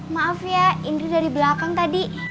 maaf ya indri dari belakang tadi